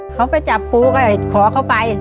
เขาไปจับปูก็ขอเข้าไป